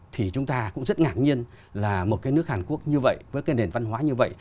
thì chúng ta cũng rất ngạc nhiên là một cái nước hàn quốc như vậy với cái nền văn hóa như vậy